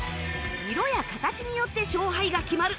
色や形によって勝敗が決まる